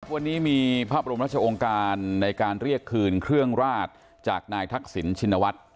วันนี้มีพระบรมราชองค์การในการเรียกคืนเครื่องราชจากนายทักษิณชินวัฒน์